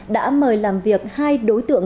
đã mời làm việc hai đối tượng